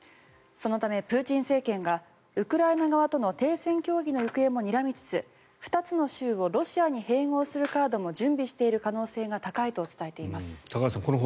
そのためプーチン政権がウクライナ側との停戦協議の行方もにらみつつ２つの州をロシアに併合するカードも準備している可能性が高いと高橋さん